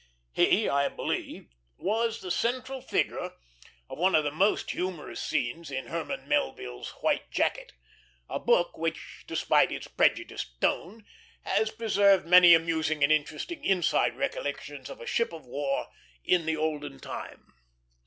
He, I believe, was the central figure of one of the most humorous scenes in Herman Melville's White Jacket, a book which, despite its prejudiced tone, has preserved many amusing and interesting inside recollections of a ship of war of the olden time.